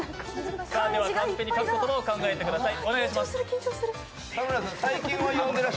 さあ、カンペに書く言葉を考えてください。